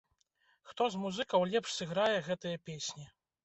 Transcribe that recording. Хто з музыкаў лепш сыграе гэтыя песні?